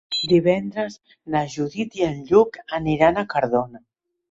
Divendres na Judit i en Lluc aniran a Cardona.